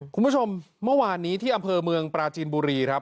คุณผู้ชมเมื่อวานนี้ที่อำเภอเมืองปราจีนบุรีครับ